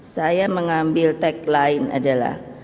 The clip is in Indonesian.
saya mengambil tagline adalah